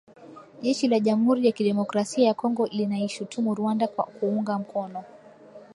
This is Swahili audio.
Jeshi la Jamhuri ya kidemokrasia ya Kongo linaishutumu Rwanda kwa kuunga mkono.